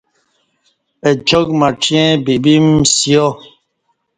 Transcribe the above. اچاک مڄیں بیبم سیا